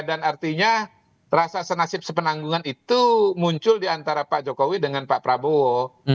artinya rasa senasib sepenanggungan itu muncul diantara pak jokowi dengan pak prabowo